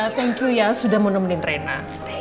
thank you ya sudah menemenin rena